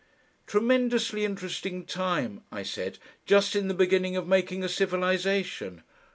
"Tremendously interesting time," I said, "just in the beginning of making a civilisation."